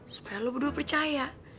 supaya lo berdua percaya